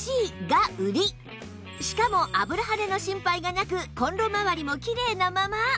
しかも油はねの心配がなくコンロまわりもきれいなまま